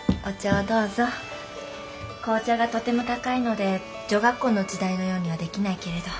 紅茶がとても高いので女学校の時代のようにはできないけれど。